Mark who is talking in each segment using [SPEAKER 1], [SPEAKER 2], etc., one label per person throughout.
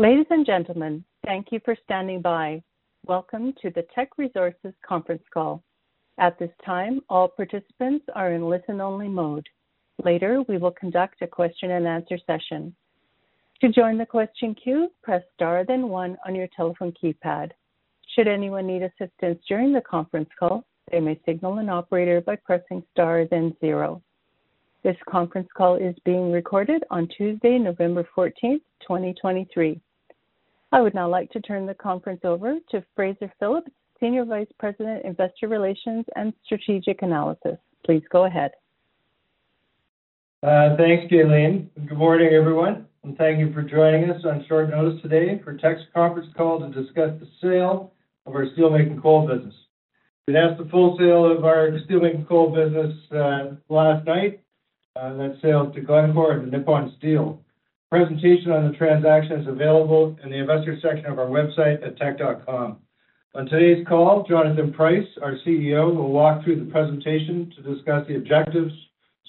[SPEAKER 1] Ladies and gentlemen, thank you for standing by. Welcome to the Teck Resources conference call. At this time, all participants are in listen-only mode. Later, we will conduct a question and answer session. To join the question queue, press star then one on your telephone keypad. Should anyone need assistance during the conference call, they may signal an operator by pressing star then zero. This conference call is being recorded on Tuesday, November 14th, 2023. I would now like to turn the conference over to Fraser Phillips, Senior Vice President, Investor Relations and Strategic Analysis. Please go ahead.
[SPEAKER 2] Thanks, Jaylene. Good morning, everyone, and thank you for joining us on short notice today for Teck's conference call to discuss the sale of our steelmaking coal business. We announced the full sale of our steelmaking coal business last night. That sale to Glencore and Nippon Steel. A presentation on the transaction is available in the investor section of our website at teck.com. On today's call, Jonathan Price, our CEO, will walk through the presentation to discuss the objectives,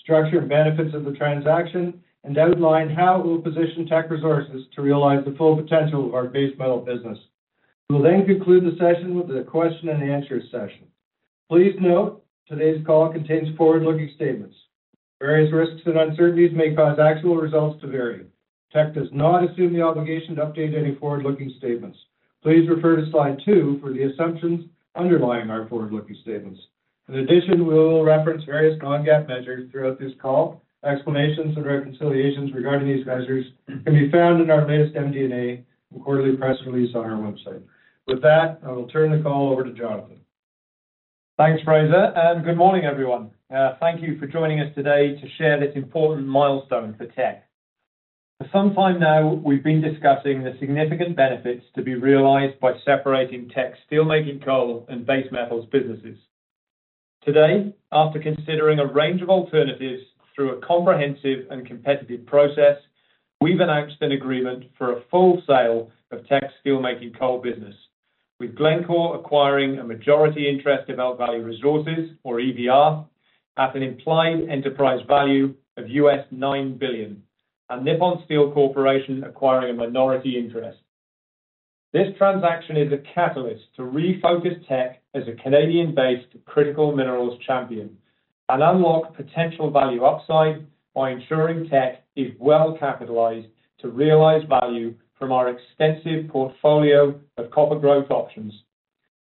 [SPEAKER 2] structure, and benefits of the transaction and outline how it will position Teck Resources to realize the full potential of our base metal business. We will then conclude the session with a question and answer session. Please note, today's call contains forward-looking statements. Various risks and uncertainties may cause actual results to vary. Teck does not assume the obligation to update any forward-looking statements. Please refer to Slide two for the assumptions underlying our forward-looking statements. In addition, we will reference various non-GAAP measures throughout this call. Explanations and reconciliations regarding these measures can be found in our latest MD&A and quarterly press release on our website. With that, I will turn the call over to Jonathan.
[SPEAKER 3] Thanks, Fraser, and good morning, everyone. Thank you for joining us today to share this important milestone for Teck. For some time now, we've been discussing the significant benefits to be realized by separating Teck's steelmaking coal and base metals businesses. Today, after considering a range of alternatives through a comprehensive and competitive process, we've announced an agreement for a full sale of Teck's steelmaking coal business, with Glencore acquiring a majority interest in Elk Valley Resources, or EVR, at an implied enterprise value of $9 billion, and Nippon Steel Corporation acquiring a minority interest. This transaction is a catalyst to refocus Teck as a Canadian-based critical minerals champion and unlock potential value upside by ensuring Teck is well-capitalized to realize value from our extensive portfolio of copper growth options,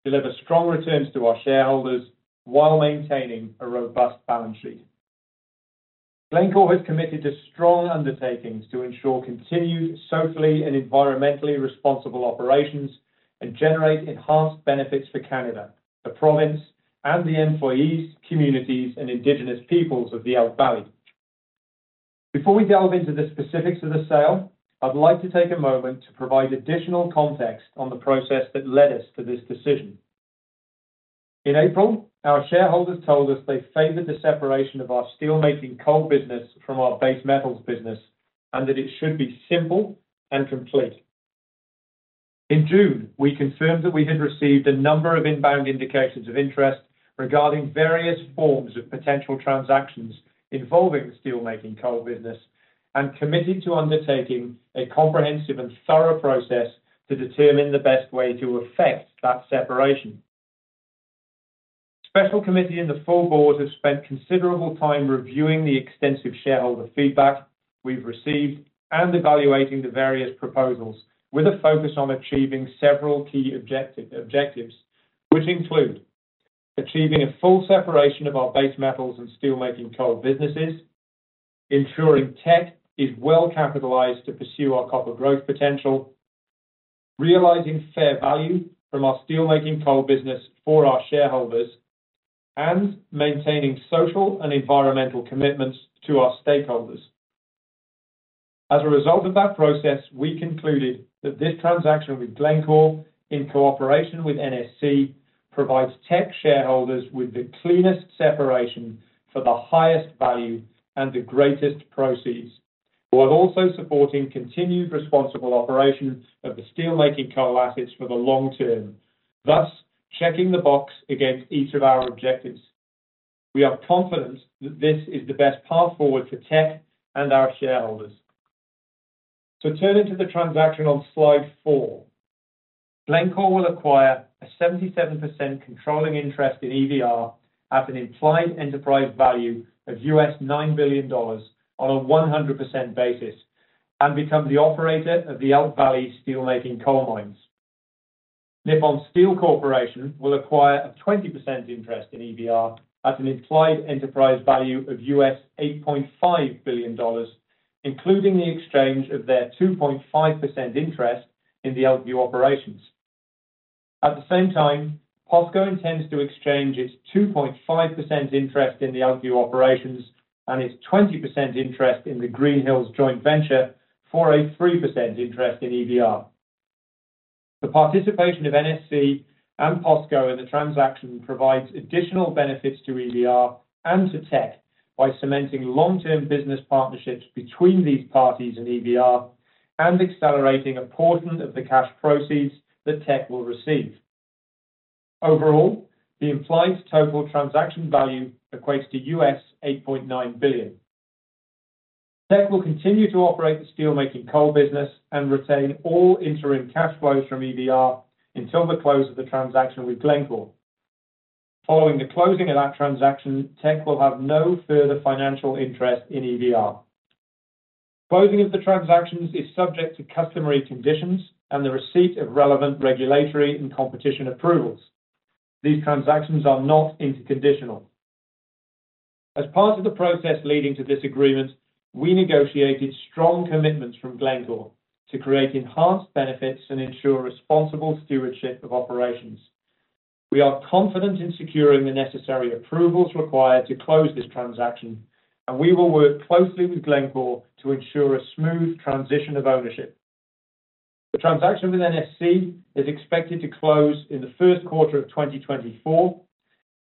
[SPEAKER 3] deliver strong returns to our shareholders while maintaining a robust balance sheet. Glencore has committed to strong undertakings to ensure continued socially and environmentally responsible operations and generate enhanced benefits for Canada, the province, and the employees, communities, and Indigenous peoples of the Elk Valley. Before we delve into the specifics of the sale, I'd like to take a moment to provide additional context on the process that led us to this decision. In April, our shareholders told us they favored the separation of our steelmaking coal business from our base metals business, and that it should be simple and complete. In June, we confirmed that we had received a number of inbound indications of interest regarding various forms of potential transactions involving the steelmaking coal business and committed to undertaking a comprehensive and thorough process to determine the best way to effect that separation. Special committee and the full board have spent considerable time reviewing the extensive shareholder feedback we've received and evaluating the various proposals with a focus on achieving several key objectives, which include achieving a full separation of our base metals and steelmaking coal businesses, ensuring Teck is well-capitalized to pursue our copper growth potential, realizing fair value from our steelmaking coal business for our shareholders, and maintaining social and environmental commitments to our stakeholders. As a result of that process, we concluded that this transaction with Glencore, in cooperation with NSC, provides Teck shareholders with the cleanest separation for the highest value and the greatest proceeds, while also supporting continued responsible operation of the steelmaking coal assets for the long term, thus checking the box against each of our objectives. We are confident that this is the best path forward for Teck and our shareholders. To turn into the transaction on Slide four, Glencore will acquire a 77% controlling interest in EVR at an implied enterprise value of US$9 billion on a 100% basis and become the operator of the Elk Valley steelmaking coal mines. Nippon Steel Corporation will acquire a 20% interest in EVR at an implied enterprise value of US$8.5 billion, including the exchange of their 2.5% interest in the Elkview operations. At the same time, POSCO intends to exchange its 2.5% interest in the Elkview operations and its 20% interest in the Greenhills joint venture for a 3% interest in EVR. The participation of NSC and POSCO in the transaction provides additional benefits to EVR and to Teck by cementing long-term business partnerships between these parties and EVR and accelerating a portion of the cash proceeds that Teck will receive. Overall, the implied total transaction value equates to US$8.9 billion. Teck will continue to operate the steelmaking coal business and retain all interim cash flows from EVR until the close of the transaction with Glencore. Following the closing of that transaction, Teck will have no further financial interest in EVR. Closing of the transactions is subject to customary conditions and the receipt of relevant regulatory and competition approvals. These transactions are not interconditional. As part of the process leading to this agreement, we negotiated strong commitments from Glencore to create enhanced benefits and ensure responsible stewardship of operations. We are confident in securing the necessary approvals required to close this transaction, and we will work closely with Glencore to ensure a smooth transition of ownership. The transaction with NSC is expected to close in the first quarter of 2024,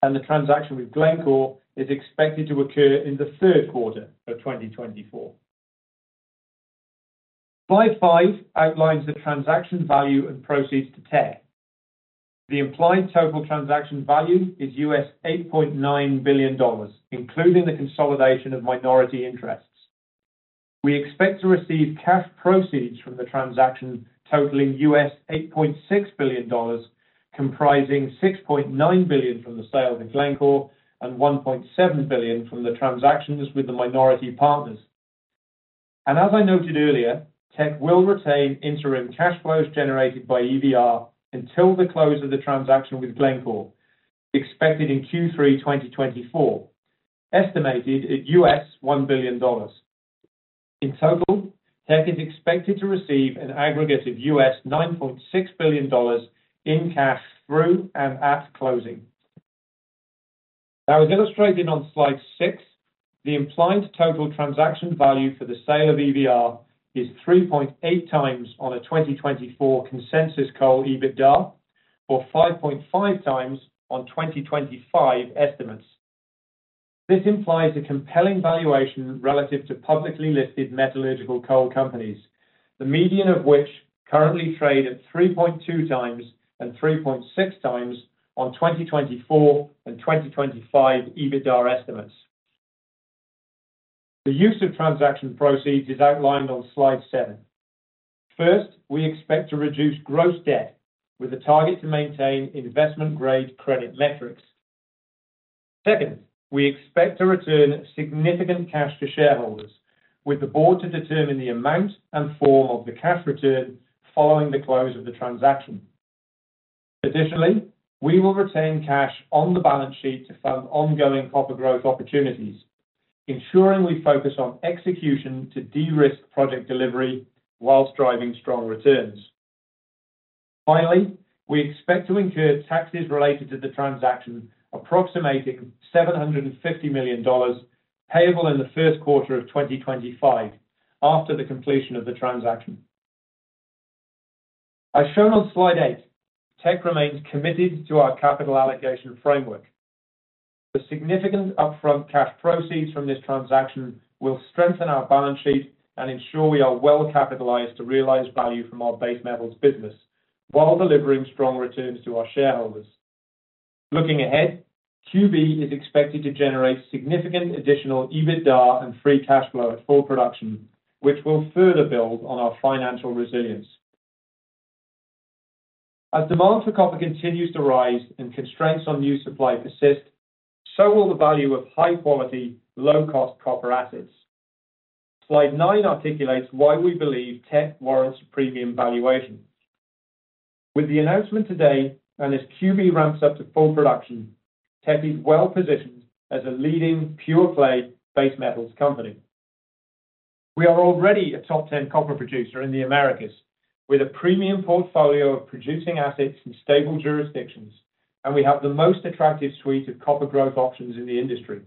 [SPEAKER 3] and the transaction with Glencore is expected to occur in the third quarter of 2024. Slide five outlines the transaction value and proceeds to Teck. The implied total transaction value is US $8.9 billion, including the consolidation of minority interests. We expect to receive cash proceeds from the transaction totaling US $8.6 billion, comprising $6.9 billion from the sale to Glencore and $1.7 billion from the transactions with the minority partners. As I noted earlier, Teck will retain interim cash flows generated by EVR until the close of the transaction with Glencore, expected in Q3 2024, estimated at US $1 billion. In total, Teck is expected to receive an aggregate of US $9.6 billion in cash through and at closing. As illustrated on slide six, the implied total transaction value for the sale of EVR is 3.8 times on a 2024 consensus coal EBITDA, or 5.5 times on 2025 estimates. This implies a compelling valuation relative to publicly listed metallurgical coal companies, the median of which currently trade at 3.2 times and 3.6 times on 2024 and 2025 EBITDA estimates. The use of transaction proceeds is outlined on slide seven. First, we expect to reduce gross debt with a target to maintain investment-grade credit metrics. Second, we expect to return significant cash to shareholders, with the board to determine the amount and form of the cash return following the close of the transaction. Additionally, we will retain cash on the balance sheet to fund ongoing copper growth opportunities, ensuring we focus on execution to de-risk project delivery whilst driving strong returns. Finally, we expect to incur taxes related to the transaction approximating $750 million payable in the first quarter of 2025 after the completion of the transaction. As shown on slide eight, Teck remains committed to our capital allocation framework. The significant upfront cash proceeds from this transaction will strengthen our balance sheet and ensure we are well capitalized to realize value from our base metals business while delivering strong returns to our shareholders. Looking ahead, QB is expected to generate significant additional EBITDA and free cash flow at full production, which will further build on our financial resilience. As demand for copper continues to rise and constraints on new supply persist, so will the value of high-quality, low-cost copper assets. Slide nine articulates why we believe Teck warrants a premium valuation. With the announcement today, as QB ramps up to full production, Teck is well-positioned as a leading pure-play base metals company. We are already a top 10 copper producer in the Americas with a premium portfolio of producing assets in stable jurisdictions, and we have the most attractive suite of copper growth options in the industry.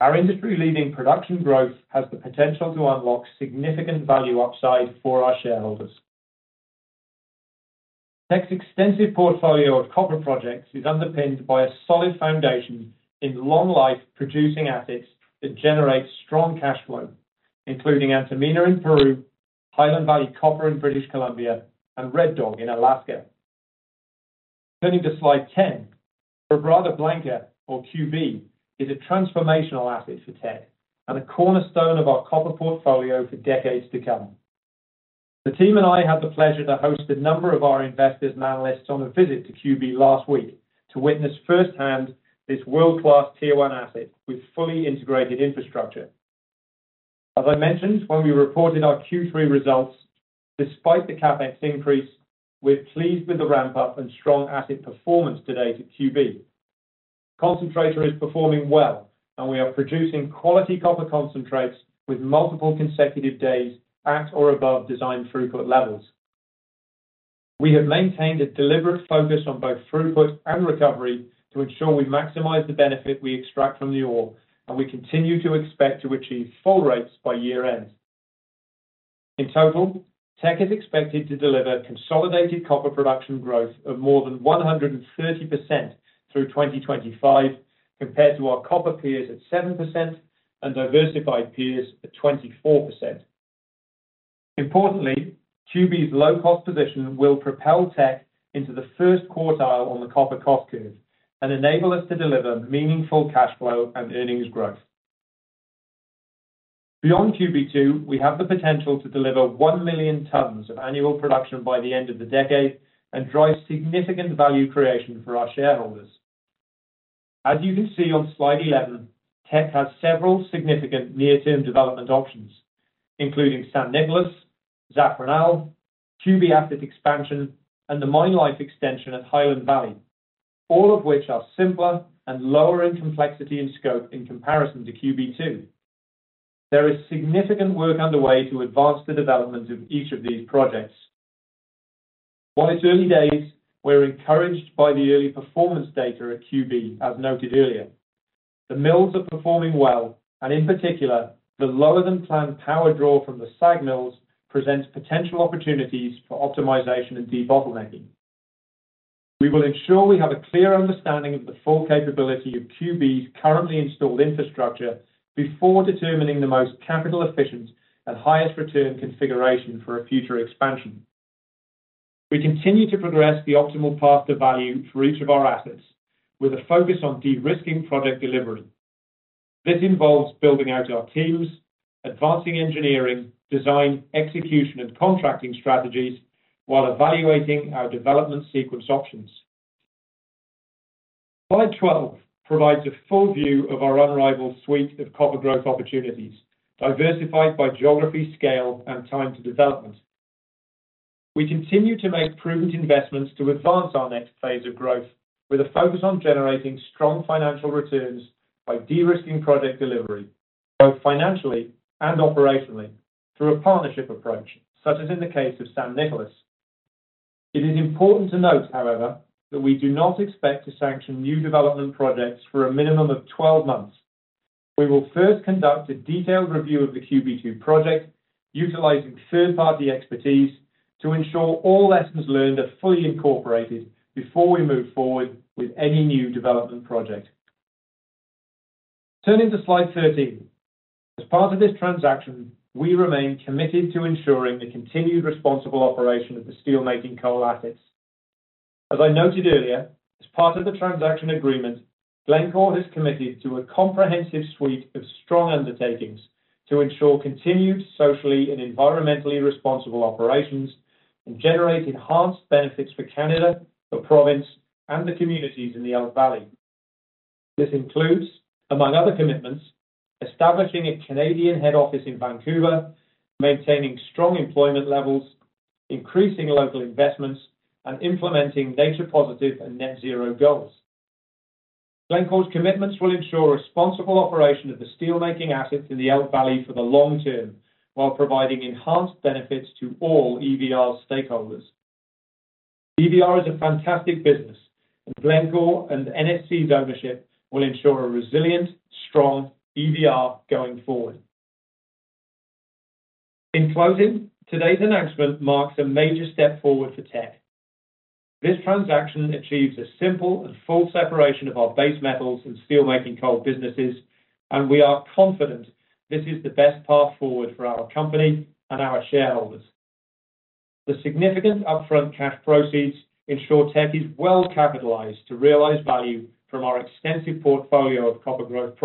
[SPEAKER 3] Our industry-leading production growth has the potential to unlock significant value upside for our shareholders. Teck's extensive portfolio of copper projects is underpinned by a solid foundation in long-life producing assets that generate strong cash flow, including Antamina in Peru, Highland Valley Copper in British Columbia, and Red Dog in Alaska. Turning to slide 10, Quebrada Blanca, or QB, is a transformational asset for Teck and a cornerstone of our copper portfolio for decades to come. The team and I had the pleasure to host a number of our investors and analysts on a visit to QB last week to witness firsthand this world-class tier 1 asset with fully integrated infrastructure. As I mentioned when we reported our Q3 results, despite the CapEx increase, we're pleased with the ramp-up and strong asset performance to date at QB. Concentrator is performing well, and we are producing quality copper concentrates with multiple consecutive days at or above design throughput levels. We have maintained a deliberate focus on both throughput and recovery to ensure we maximize the benefit we extract from the ore, and we continue to expect to achieve full rates by year-end. In total, Teck is expected to deliver consolidated copper production growth of more than 130% through 2025, compared to our copper peers at 7% and diversified peers at 24%. Importantly, QB's low-cost position will propel Teck into the first quartile on the copper cost curve and enable us to deliver meaningful cash flow and earnings growth. Beyond QB2, we have the potential to deliver 1 million tons of annual production by the end of the decade and drive significant value creation for our shareholders. As you can see on slide 11, Teck has several significant near-term development options, including San Nicolás, Zacual, QB asset expansion, and the mine life extension at Highland Valley, all of which are simpler and lower in complexity and scope in comparison to QB2. There is significant work underway to advance the development of each of these projects. While it's early days, we're encouraged by the early performance data at QB, as noted earlier. The mills are performing well, and in particular, the lower-than-planned power draw from the SAG mills presents potential opportunities for optimization and debottlenecking. We will ensure we have a clear understanding of the full capability of QB's currently installed infrastructure before determining the most capital-efficient and highest return configuration for a future expansion. We continue to progress the optimal path to value for each of our assets, with a focus on de-risking project delivery. This involves building out our teams, advancing engineering, design, execution, and contracting strategies while evaluating our development sequence options. Slide 12 provides a full view of our unrivaled suite of copper growth opportunities, diversified by geography, scale, and time to development. We continue to make prudent investments to advance our next phase of growth, with a focus on generating strong financial returns by de-risking project delivery, both financially and operationally, through a partnership approach, such as in the case of San Nicolás. It is important to note, however, that we do not expect to sanction new development projects for a minimum of 12 months. We will first conduct a detailed review of the QB2 project, utilizing third-party expertise to ensure all lessons learned are fully incorporated before we move forward with any new development project. Turning to slide 13. As part of this transaction, we remain committed to ensuring the continued responsible operation of the steelmaking coal assets. As I noted earlier, as part of the transaction agreement, Glencore has committed to a comprehensive suite of strong undertakings to ensure continued socially and environmentally responsible operations and generate enhanced benefits for Canada, the province, and the communities in the Elk Valley. This includes, among other commitments, establishing a Canadian head office in Vancouver, maintaining strong employment levels, increasing local investments, and implementing nature positive and net zero goals. Glencore's commitments will ensure responsible operation of the steelmaking assets in the Elk Valley for the long term while providing enhanced benefits to all EVR stakeholders. EVR is a fantastic business, and Glencore and NSC's ownership will ensure a resilient, strong EVR going forward. In closing, today's announcement marks a major step forward for Teck. This transaction achieves a simple and full separation of our base metals and steelmaking coal businesses. We are confident this is the best path forward for our company and our shareholders. The significant upfront cash proceeds ensure Teck is well capitalized to realize value from our extensive portfolio of copper growth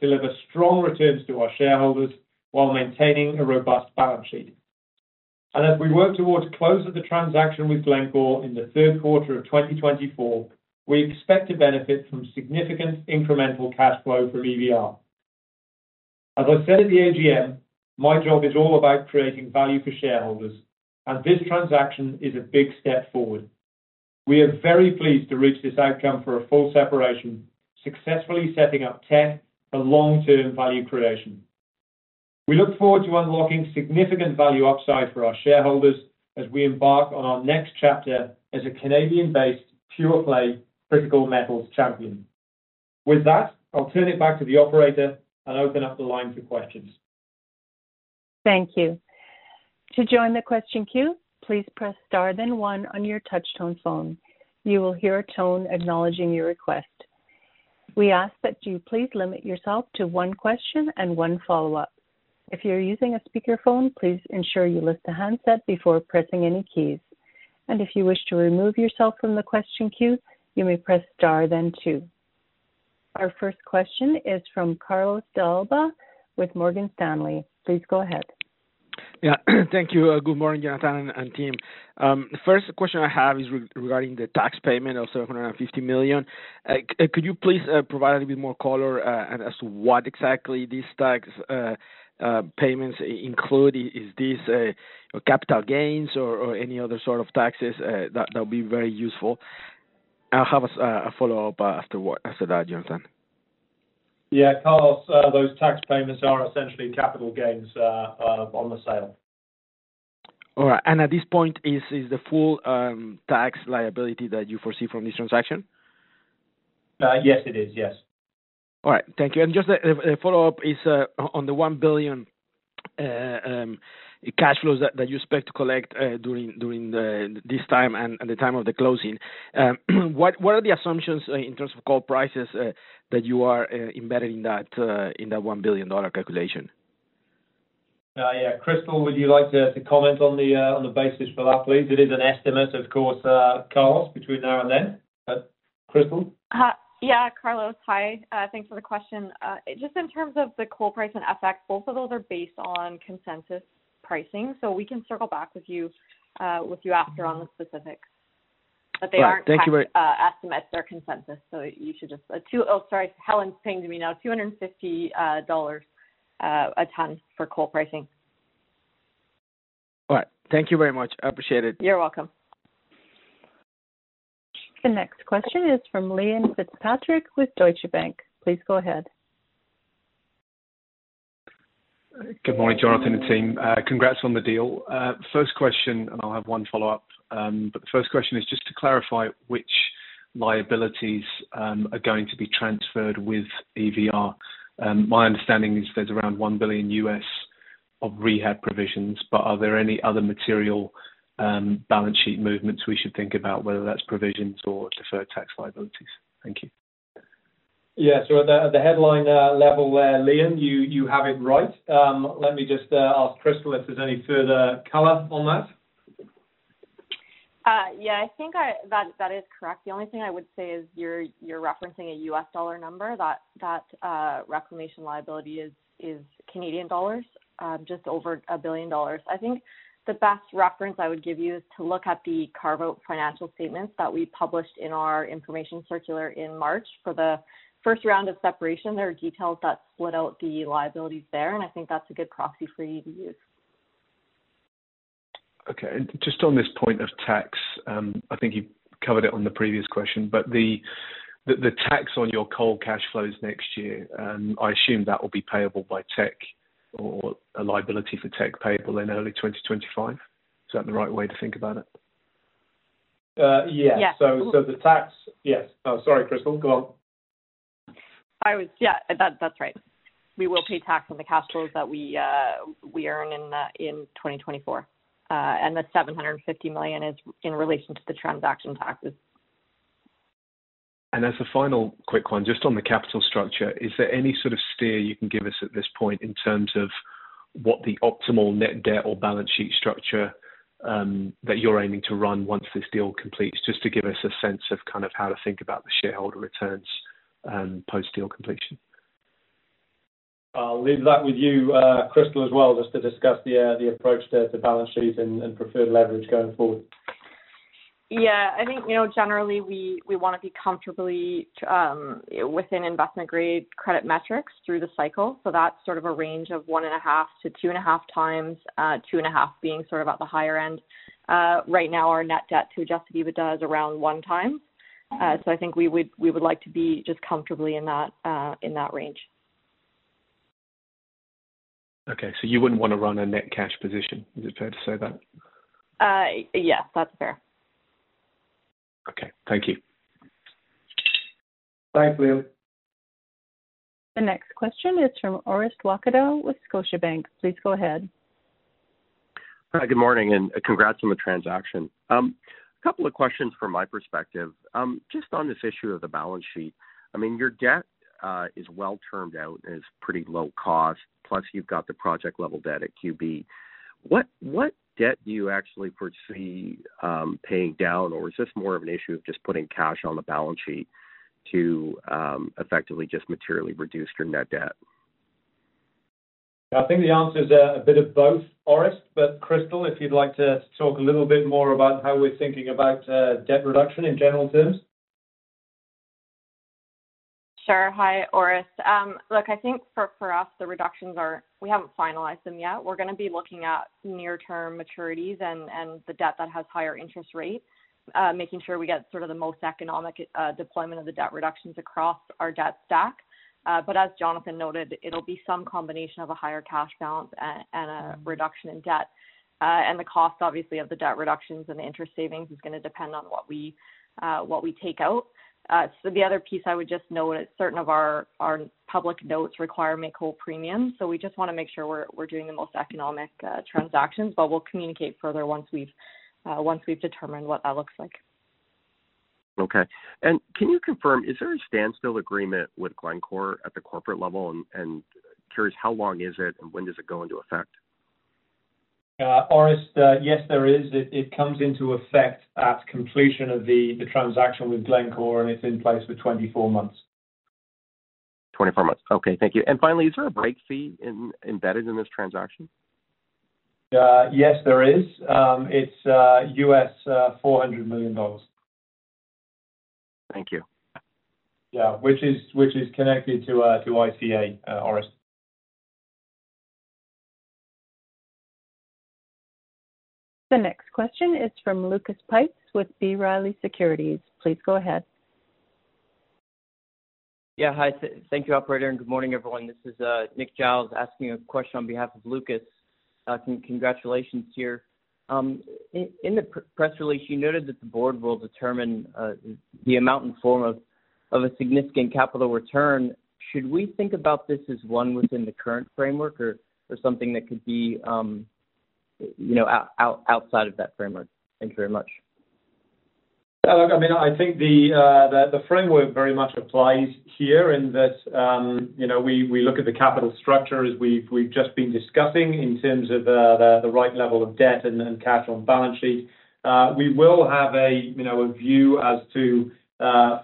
[SPEAKER 3] projects, deliver strong returns to our shareholders while maintaining a robust balance sheet. As we work towards close of the transaction with Glencore in the third quarter of 2024, we expect to benefit from significant incremental cash flow from EVR. As I said at the AGM, my job is all about creating value for shareholders. This transaction is a big step forward. We are very pleased to reach this outcome for a full separation, successfully setting up Teck for long-term value creation. We look forward to unlocking significant value upside for our shareholders as we embark on our next chapter as a Canadian-based pure-play critical metals champion. With that, I'll turn it back to the operator and open up the line for questions.
[SPEAKER 1] Thank you. To join the question queue, please press star then one on your touch-tone phone. You will hear a tone acknowledging your request. We ask that you please limit yourself to one question and one follow-up. If you're using a speakerphone, please ensure you lift the handset before pressing any keys. If you wish to remove yourself from the question queue, you may press star then two. Our first question is from Carlos de Alba with Morgan Stanley. Please go ahead.
[SPEAKER 4] Yeah. Thank you. Good morning, Jonathan and team. First question I have is regarding the tax payment of $750 million. Could you please provide a little bit more color as to what exactly these tax payments include? Is this capital gains or any other sort of taxes? That would be very useful. I will have a follow-up after that, Jonathan.
[SPEAKER 3] Yeah, Carlos, those tax payments are essentially capital gains on the sale.
[SPEAKER 4] All right. At this point, is this the full tax liability that you foresee from this transaction?
[SPEAKER 3] Yes, it is. Yes.
[SPEAKER 4] Right. Thank you. Just a follow-up is on the 1 billion cash flows that you expect to collect during this time and the time of the closing. What are the assumptions in terms of coal prices that you are embedding in that $1 billion calculation?
[SPEAKER 3] Yeah. Crystal, would you like to comment on the basis for that, please? It is an estimate, of course, Carlos, between now and then. Crystal?
[SPEAKER 5] Yeah, Carlos. Hi. Thanks for the question. Just in terms of the coal price and effect, both of those are based on consensus pricing. We can circle back with you after on the specifics.
[SPEAKER 6] Right. Thank you very.
[SPEAKER 5] They aren't estimates, they're consensus. You should just Sorry, Helen's pinging me now. $250 a ton for coal pricing.
[SPEAKER 4] All right. Thank you very much. I appreciate it.
[SPEAKER 5] You're welcome.
[SPEAKER 1] The next question is from Liam Fitzpatrick with Deutsche Bank. Please go ahead.
[SPEAKER 7] Good morning, Jonathan and team. Congrats on the deal. First question, I'll have one follow-up. The first question is just to clarify which liabilities are going to be transferred with EVR. My understanding is there's around $1 billion U.S. of rehab provisions, but are there any other material balance sheet movements we should think about, whether that's provisions or deferred tax liabilities? Thank you.
[SPEAKER 3] At the headline level there, Liam, you have it right. Let me just ask Crystal if there's any further color on that.
[SPEAKER 5] I think that is correct. The only thing I would say is you're referencing a U.S. dollar number. That reclamation liability is Canadian dollars, just over 1 billion dollars. I think the best reference I would give you is to look at the Carve-out financial statements that we published in our information circular in March for the first round of separation. There are details that split out the liabilities there, and I think that's a good proxy for you to use.
[SPEAKER 7] Just on this point of tax, I think you covered it on the previous question. The tax on your coal cash flows next year, I assume that will be payable by Teck or a liability for Teck payable in early 2025. Is that the right way to think about it?
[SPEAKER 3] Yeah.
[SPEAKER 5] Yeah.
[SPEAKER 3] The tax. Yes. Sorry, Crystal. Go on.
[SPEAKER 5] That's right. We will pay tax on the cash flows that we earn in 2024. The $750 million is in relation to the transaction taxes.
[SPEAKER 7] As a final quick one, just on the capital structure, is there any sort of steer you can give us at this point in terms of what the optimal net debt or balance sheet structure that you're aiming to run once this deal completes, just to give us a sense of kind of how to think about the shareholder returns post-deal completion?
[SPEAKER 3] I'll leave that with you, Crystal, as well, just to discuss the approach to balance sheet and preferred leverage going forward.
[SPEAKER 5] I think, generally, we want to be comfortably within investment-grade credit metrics through the cycle. That's sort of a range of 1.5-2.5 times, 2.5 being sort of at the higher end. Right now, our net debt to adjusted EBITDA is around 1 time. I think we would like to be just comfortably in that range.
[SPEAKER 7] Okay. You wouldn't want to run a net cash position, is it fair to say that?
[SPEAKER 5] Yes, that's fair.
[SPEAKER 7] Okay. Thank you.
[SPEAKER 3] Thanks, Liam.
[SPEAKER 1] The next question is from Orest Wowkodaw with Scotiabank. Please go ahead.
[SPEAKER 6] Hi. Good morning, congrats on the transaction. Couple of questions from my perspective. Just on this issue of the balance sheet, your debt is well-termed out and is pretty low cost, you've got the project-level debt at QB. What debt do you actually foresee paying down, is this more of an issue of just putting cash on the balance sheet to effectively just materially reduce your net debt?
[SPEAKER 3] I think the answer is a bit of both, Orest, Crystal, if you'd like to talk a little bit more about how we're thinking about debt reduction in general terms.
[SPEAKER 5] Sure. Hi, Orest. Look, I think for us, the reductions are, we haven't finalized them yet. We're going to be looking at near-term maturities and the debt that has higher interest rates, making sure we get sort of the most economic deployment of the debt reductions across our debt stack. As Jonathan noted, it'll be some combination of a higher cash balance and a reduction in debt. The cost, obviously, of the debt reductions and the interest savings is going to depend on what we take out. The other piece I would just note, certain of our public notes require make-whole premium, so we just want to make sure we're doing the most economic transactions. We'll communicate further once we've determined what that looks like.
[SPEAKER 6] Okay. Can you confirm, is there a standstill agreement with Glencore at the corporate level? Curious, how long is it and when does it go into effect?
[SPEAKER 3] Orest, yes, there is. It comes into effect at completion of the transaction with Glencore, and it's in place for 24 months.
[SPEAKER 6] 24 months. Okay. Thank you. Finally, is there a break fee embedded in this transaction?
[SPEAKER 3] Yes, there is. It's $400 million.
[SPEAKER 6] Thank you.
[SPEAKER 3] Yeah. Which is connected to ICA, Orest.
[SPEAKER 1] The next question is from Lucas Pipes with B. Riley Securities. Please go ahead.
[SPEAKER 8] Yeah. Hi. Thank you, operator, and good morning, everyone. This is Nick Giles asking a question on behalf of Lucas. Congratulations here. In the press release, you noted that the board will determine the amount and form of a significant capital return. Should we think about this as one within the current framework or something that could be outside of that framework? Thank you very much.
[SPEAKER 3] Look, I think the framework very much applies here in that we look at the capital structure as we've just been discussing in terms of the right level of debt and cash on the balance sheet. We will have a view as to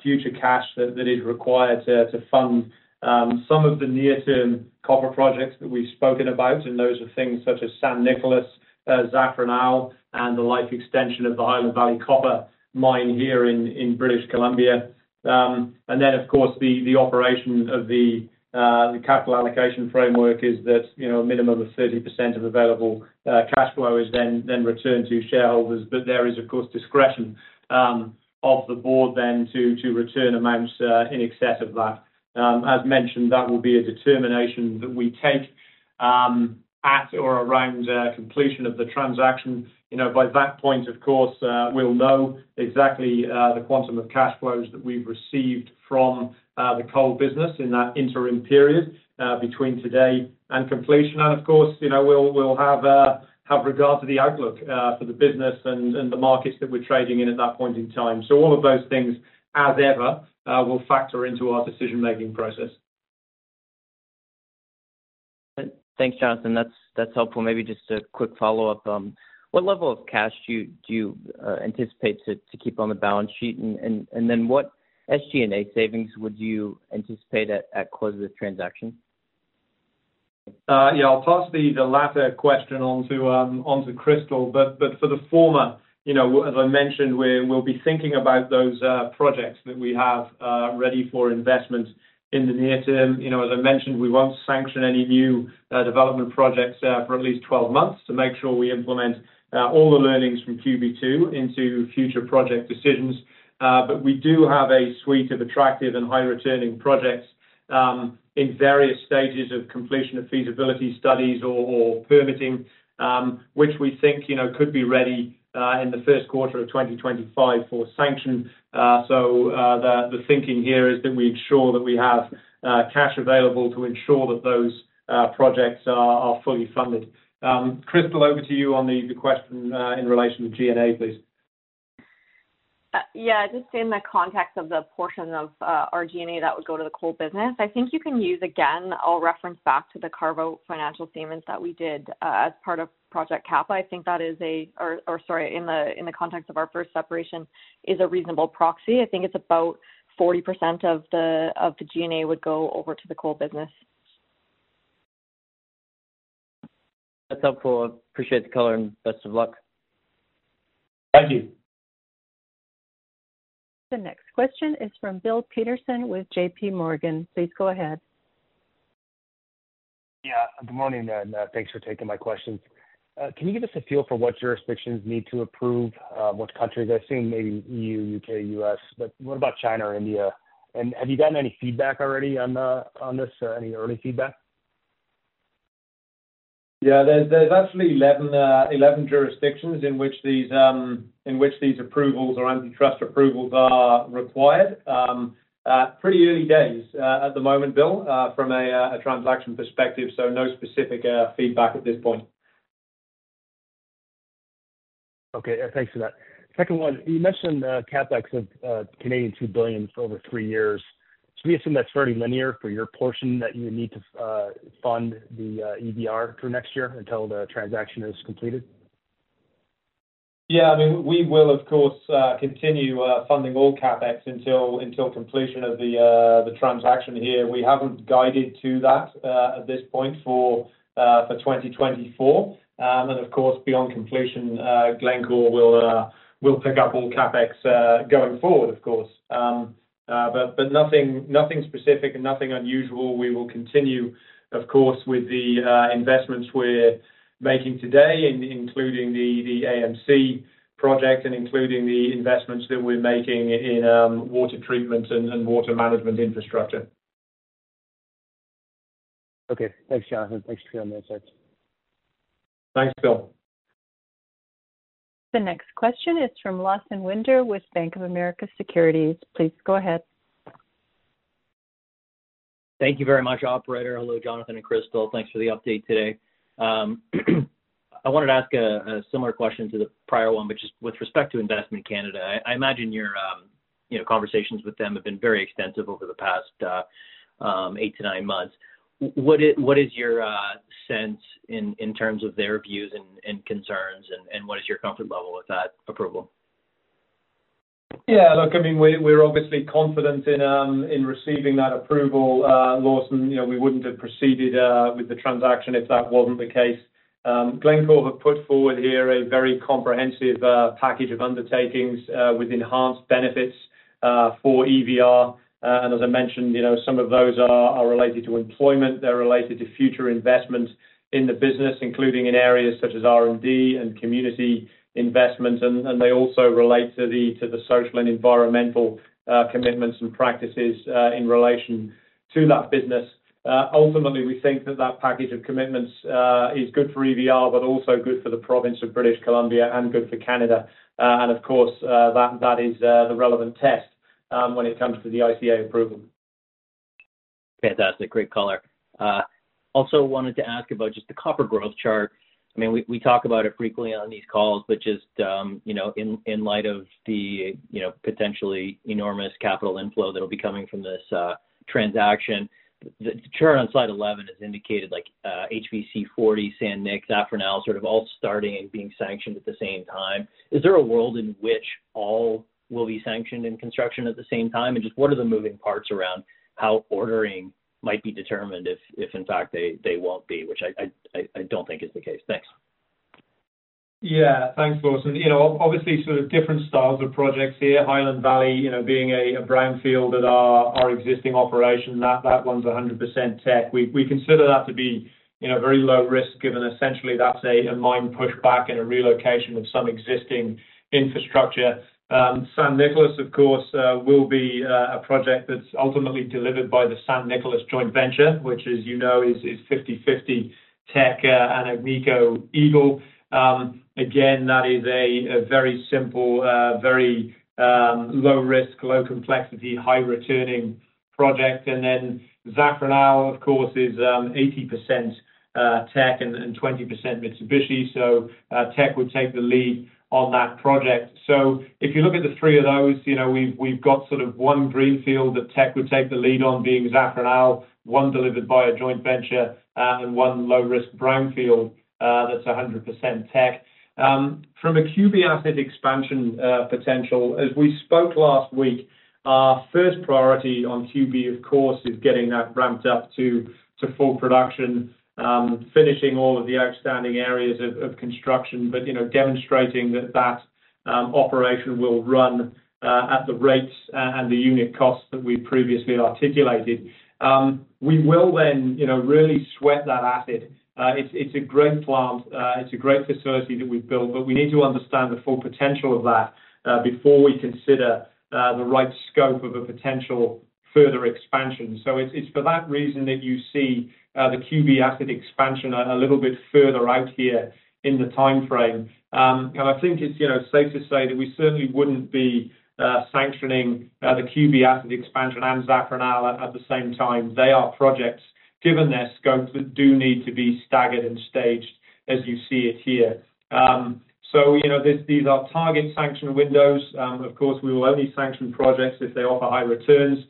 [SPEAKER 3] future cash that is required to fund some of the near-term copper projects that we've spoken about, and those are things such as San Nicolás, Zafranal, and the life extension of the Highland Valley copper mine here in British Columbia. Of course, the operation of the capital allocation framework is that a minimum of 30% of available cash flow is then returned to shareholders. There is, of course, discretion of the board then to return amounts in excess of that. As mentioned, that will be a determination that we take at or around completion of the transaction. By that point, of course, we'll know exactly the quantum of cash flows that we've received from the coal business in that interim period between today and completion. Of course, we'll have regard to the outlook for the business and the markets that we're trading in at that point in time. All of those things, as ever, will factor into our decision-making process.
[SPEAKER 8] Thanks, Jonathan. That's helpful. Maybe just a quick follow-up. What level of cash do you anticipate to keep on the balance sheet, and then what SG&A savings would you anticipate at close of the transaction?
[SPEAKER 3] I'll pass the latter question on to Crystal. For the former, as I mentioned, we'll be thinking about those projects that we have ready for investment in the near term. As I mentioned, we won't sanction any new development projects for at least 12 months to make sure we implement all the learnings from QB2 into future project decisions. We do have a suite of attractive and high-returning projects in various stages of completion of feasibility studies or permitting, which we think could be ready in the first quarter of 2025 for sanction. The thinking here is that we ensure that we have cash available to ensure that those projects are fully funded. Crystal, over to you on the question in relation to G&A, please.
[SPEAKER 5] Just in the context of the portion of our G&A that would go to the coal business, I think you can use, again, I'll reference back to the Carve-out financial statements that we did as part of Project Kappa. I think that is, or sorry, in the context of our first separation, is a reasonable proxy. I think it's about 40% of the G&A would go over to the coal business.
[SPEAKER 8] That's helpful. Appreciate the color and best of luck.
[SPEAKER 3] Thank you.
[SPEAKER 1] The next question is from Bill Peterson with JPMorgan. Please go ahead.
[SPEAKER 9] Yeah, good morning, thanks for taking my questions. Can you give us a feel for what jurisdictions need to approve what countries? I assume maybe EU, U.K., U.S., what about China or India? Have you gotten any feedback already on this? Any early feedback?
[SPEAKER 3] Yeah, there's actually 11 jurisdictions in which these approvals or antitrust approvals are required. Pretty early days at the moment, Bill, from a transaction perspective, no specific feedback at this point.
[SPEAKER 9] Okay, thanks for that. Second one, you mentioned CapEx of 2 billion Canadian dollars over three years. Should we assume that's fairly linear for your portion that you need to fund the EVR through next year until the transaction is completed?
[SPEAKER 3] Yeah, we will, of course, continue funding all CapEx until completion of the transaction here. We haven't guided to that at this point for 2024. Of course, beyond completion, Glencore will pick up all CapEx going forward, of course. Nothing specific and nothing unusual. We will continue, of course, with the investments we're making today, including the AMC project and including the investments that we're making in water treatment and water management infrastructure.
[SPEAKER 9] Okay. Thanks, Jonathan. Thanks for clearing those up.
[SPEAKER 3] Thanks, Bill.
[SPEAKER 1] The next question is from Lawson Winder with Bank of America Securities. Please go ahead.
[SPEAKER 10] Thank you very much, operator. Hello, Jonathan and Crystal. Thanks for the update today. I wanted to ask a similar question to the prior one, but just with respect to Investment Canada, I imagine your conversations with them have been very extensive over the past eight to nine months. What is your sense in terms of their views and concerns, and what is your comfort level with that approval?
[SPEAKER 3] Yeah, look, we're obviously confident in receiving that approval, Lawson. We wouldn't have proceeded with the transaction if that wasn't the case. Glencore have put forward here a very comprehensive package of undertakings with enhanced benefits for EVR. As I mentioned, some of those are related to employment. They're related to future investment in the business, including in areas such as R&D and community investment, and they also relate to the social and environmental commitments and practices in relation to that business. Ultimately, we think that package of commitments is good for EVR, but also good for the province of British Columbia and good for Canada. Of course, that is the relevant test when it comes to the ICA approval.
[SPEAKER 10] Fantastic. Great color. Wanted to ask about just the copper growth chart. We talk about it frequently on these calls, but just in light of the potentially enormous capital inflow that'll be coming from this transaction, the chart on slide 11 has indicated HVC 40, San Nicolás, Zafranal, sort of all starting and being sanctioned at the same time. Is there a world in which all will be sanctioned in construction at the same time? Just what are the moving parts around how ordering might be determined if in fact they won't be, which I don't think is the case. Thanks.
[SPEAKER 3] Yeah, thanks, Lawson. Different styles of projects here. Highland Valley, being a brownfield at our existing operation, that one's 100% Teck. We consider that to be very low risk, given essentially that's a mine pushback and a relocation of some existing infrastructure. San Nicolás, of course, will be a project that's ultimately delivered by the San Nicolás joint venture, which as you know is 50/50 Teck and Agnico Eagle. That is a very simple, very low risk, low complexity, high returning project. Zafranal, of course, is 80% Teck and 20% Mitsubishi. Teck would take the lead on that project. If you look at the three of those, we've got sort of one greenfield that Teck would take the lead on, being Zafranal, one delivered by a joint venture, and one low-risk brownfield that's 100% Teck. From a QB asset expansion potential, as we spoke last week, our first priority on QB, of course, is getting that ramped up to full production, finishing all of the outstanding areas of construction, but demonstrating that that operation will run at the rates and the unit costs that we previously articulated. We will then really sweat that asset. It's a great plant. It's a great facility that we've built, but we need to understand the full potential of that before we consider the right scope of a potential further expansion. It's for that reason that you see the QB asset expansion a little bit further out here in the timeframe. I think it's safe to say that we certainly wouldn't be sanctioning the QB asset expansion and Zafranal at the same time. They are projects, given their scopes, that do need to be staggered and staged as you see it here. These are target sanction windows. Of course, we will only sanction projects if they offer high returns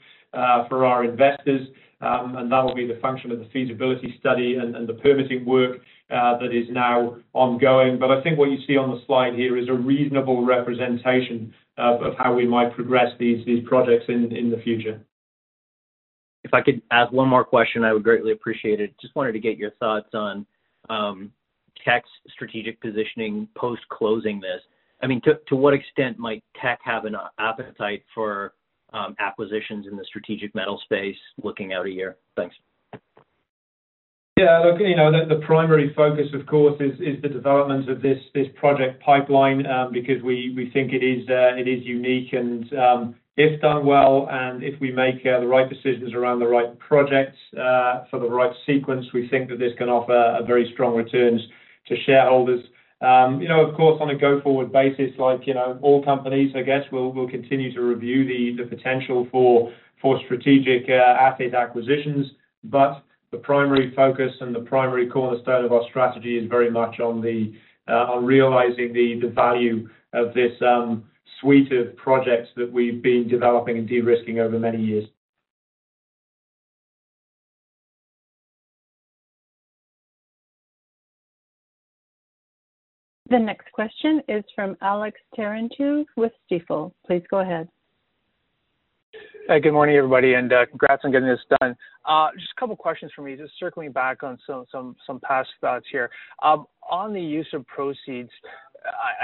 [SPEAKER 3] for our investors, and that will be the function of the feasibility study and the permitting work that is now ongoing. I think what you see on the slide here is a reasonable representation of how we might progress these projects in the future.
[SPEAKER 10] If I could ask one more question, I would greatly appreciate it. Just wanted to get your thoughts on Teck's strategic positioning post closing this. To what extent might Teck have an appetite for acquisitions in the strategic metal space looking out a year? Thanks.
[SPEAKER 3] Yeah, look, the primary focus, of course, is the development of this project pipeline, because we think it is unique and if done well, and if we make the right decisions around the right projects for the right sequence, we think that this can offer very strong returns to shareholders. Of course, on a go-forward basis, like all companies, I guess we'll continue to review the potential for strategic asset acquisitions. The primary focus and the primary cornerstone of our strategy is very much on realizing the value of this suite of projects that we've been developing and de-risking over many years.
[SPEAKER 1] The next question is from Alex Terentiew with Stifel. Please go ahead.
[SPEAKER 11] Hi, good morning, everybody. Congrats on getting this done. Just a two questions from me, just circling back on some past thoughts here. On the use of proceeds,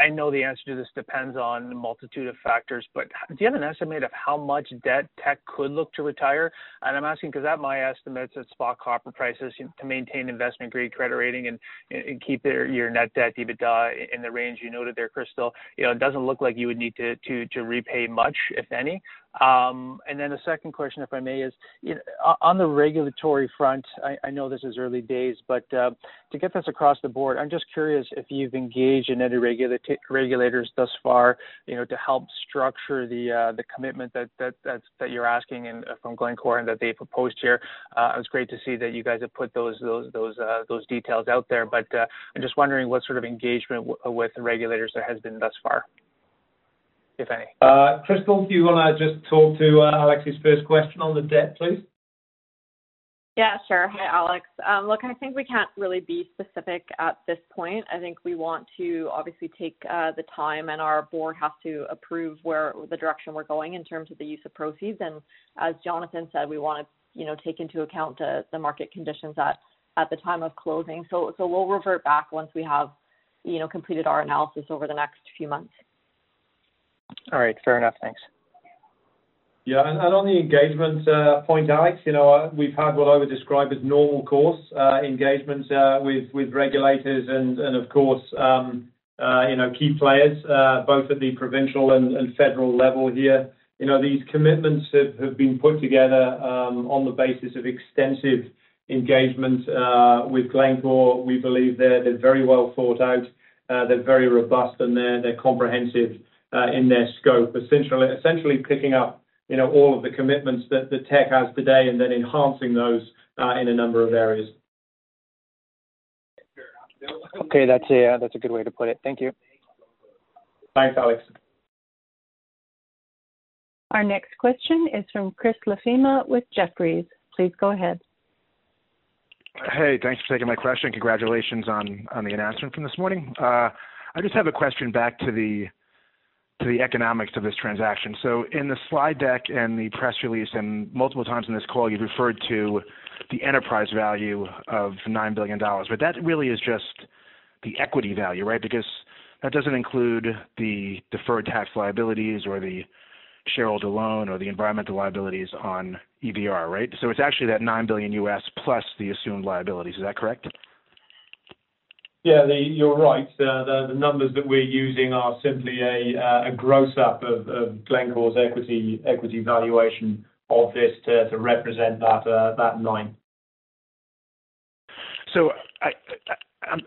[SPEAKER 11] I know the answer to this depends on a multitude of factors. Do you have an estimate of how much debt Teck could look to retire? I'm asking because at my estimates, at spot copper prices to maintain investment-grade credit rating and keep your net debt EBITDA in the range you noted there, Crystal, it doesn't look like you would need to repay much, if any. A second question, if I may, is on the regulatory front, I know this is early days, but to get this across the board, I'm just curious if you've engaged any regulators thus far to help structure the commitment that you're asking from Glencore and that they've proposed here. It was great to see that you guys have put those details out there. I'm just wondering what sort of engagement with the regulators there has been thus far, if any.
[SPEAKER 3] Crystal, do you want to just talk to Alex's first question on the debt, please?
[SPEAKER 5] Yeah, sure. Hi, Alex. I think we can't really be specific at this point. I think we want to obviously take the time, our board has to approve where the direction we're going in terms of the use of proceeds. As Jonathan said, we want to take into account the market conditions at the time of closing. We'll revert back once we have completed our analysis over the next few months.
[SPEAKER 11] All right. Fair enough. Thanks.
[SPEAKER 3] Yeah. On the engagement point, Alex, we've had what I would describe as normal course engagement with regulators and of course key players both at the provincial and federal level here. These commitments have been put together on the basis of extensive engagement with Glencore. We believe they're very well thought out, they're very robust, and they're comprehensive in their scope, essentially picking up all of the commitments that Teck has today and then enhancing those in a number of areas.
[SPEAKER 11] Okay. That's a good way to put it. Thank you.
[SPEAKER 3] Thanks, Alex.
[SPEAKER 1] Our next question is from Chris LaFemina with Jefferies. Please go ahead.
[SPEAKER 12] Hey, thanks for taking my question, and congratulations on the announcement from this morning. I just have a question back to the economics of this transaction. In the slide deck and the press release, and multiple times in this call, you've referred to the enterprise value of $9 billion. That really is just the equity value, right? Because that doesn't include the deferred tax liabilities or the shareholder loan or the environmental liabilities on EVR, right? It's actually that $9 billion U.S. plus the assumed liabilities, is that correct?
[SPEAKER 3] Yeah, you're right. The numbers that we're using are simply a gross-up of Glencore's equity valuation of this to represent that $9.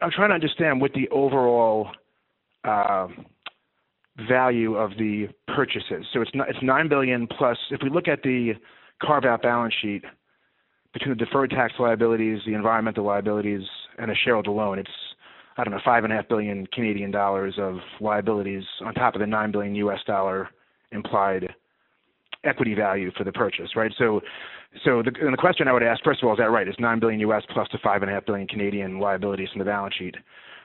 [SPEAKER 12] I'm trying to understand what the overall value of the purchase is. It's $9 billion plus. If we look at the carve-out balance sheet between the deferred tax liabilities, the environmental liabilities, and a shareholder loan, it's, I don't know, 5.5 billion Canadian dollars of liabilities on top of the $9 billion U.S. dollar implied equity value for the purchase, right? The question I would ask, first of all, is that right? It's $9 billion U.S. plus the 5.5 billion Canadian dollars Canadian liabilities from the balance sheet.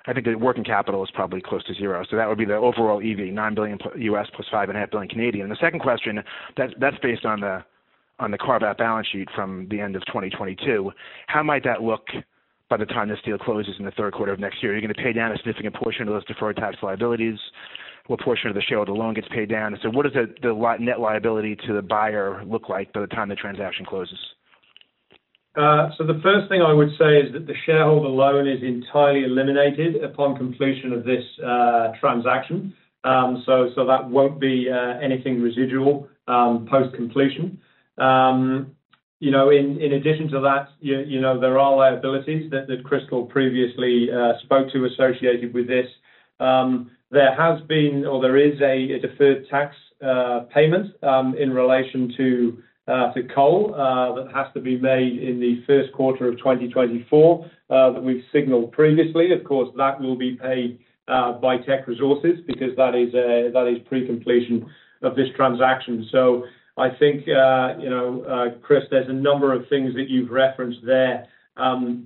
[SPEAKER 12] I think the working capital is probably close to zero, so that would be the overall EV, $9 billion U.S. plus 5.5 billion Canadian. The second question, that's based on the carve-out balance sheet from the end of 2022. How might that look by the time this deal closes in the third quarter of next year? Are you going to pay down a significant portion of those deferred tax liabilities? What portion of the shareholder loan gets paid down? What does the net liability to the buyer look like by the time the transaction closes?
[SPEAKER 3] The first thing I would say is that the shareholder loan is entirely eliminated upon completion of this transaction. That won't be anything residual, post-completion. In addition to that, there are liabilities that Chris Gold previously spoke to associated with this. There has been or there is a deferred tax payment in relation to coal that has to be made in the first quarter of 2024, that we've signaled previously. Of course, that will be paid by Teck Resources because that is pre-completion of this transaction. I think Chris, there's a number of things that you've referenced there,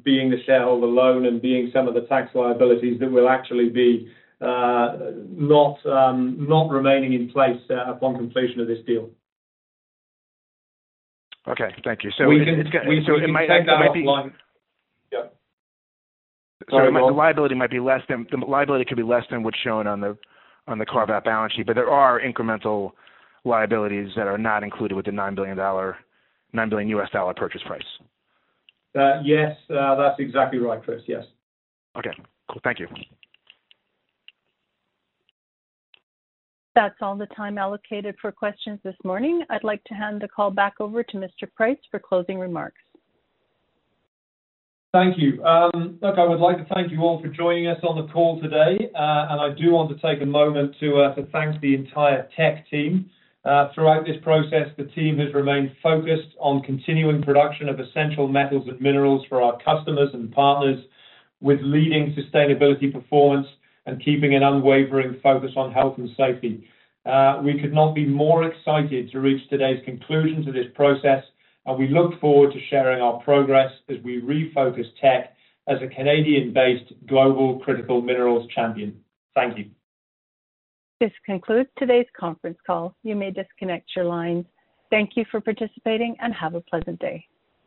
[SPEAKER 3] being the shareholder loan and being some of the tax liabilities that will actually be not remaining in place upon completion of this deal.
[SPEAKER 12] Okay. Thank you.
[SPEAKER 3] We can take that offline. Yeah. Sorry, go on.
[SPEAKER 12] The liability could be less than what's shown on the carve-out balance sheet, but there are incremental liabilities that are not included with the $9 billion purchase price.
[SPEAKER 3] Yes. That's exactly right, Chris. Yes.
[SPEAKER 12] Okay, cool. Thank you.
[SPEAKER 1] That's all the time allocated for questions this morning. I'd like to hand the call back over to Mr. Price for closing remarks.
[SPEAKER 3] Thank you. Look, I would like to thank you all for joining us on the call today, and I do want to take a moment to thank the entire Teck team. Throughout this process, the team has remained focused on continuing production of essential metals and minerals for our customers and partners with leading sustainability performance and keeping an unwavering focus on health and safety. We could not be more excited to reach today's conclusion to this process, and we look forward to sharing our progress as we refocus Teck as a Canadian-based global critical minerals champion. Thank you.
[SPEAKER 1] This concludes today's conference call. You may disconnect your lines. Thank you for participating and have a pleasant day.